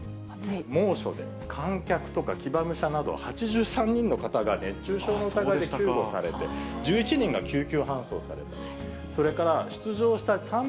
猛暑で観客とか騎馬武者など８３人の方が熱中症の疑いで救護されて、１１人が救急搬送された。